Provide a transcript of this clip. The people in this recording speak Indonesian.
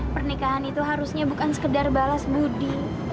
pernikahan itu harusnya bukan sekedar balas budi